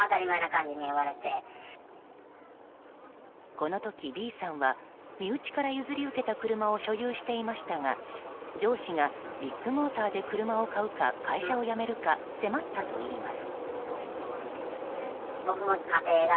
この時、Ｂさんは身内から譲り受けた車を所有していましたが上司がビッグモーターで車を買うか会社を辞めるか迫ったといいます。